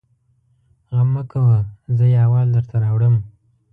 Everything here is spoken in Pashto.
_غم مه کوه! زه يې احوال درته راوړم.